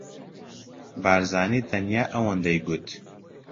بارزانی تەنیا ئەوەندەی گوت: